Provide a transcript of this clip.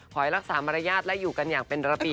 ให้รักษามารยาทและอยู่กันอย่างเป็นระปี